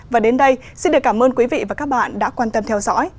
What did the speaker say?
và đến đây xin được cảm ơn quý vị và các bạn đã quan tâm theo dõi